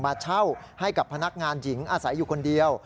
มาเช่าให้กับพนักงานหญิงอาศัยอยู่คนเดียว